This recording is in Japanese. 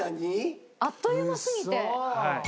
あっという間すぎて。